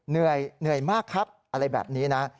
เหนื่อยมากครับอะไรแบบนี้นะ